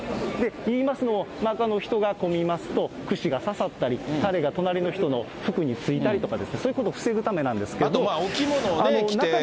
いいますのも、人が混みますと串が刺さったり、たれが隣の人の服についたりとかですね、そういうことを防ぐためなんですけど。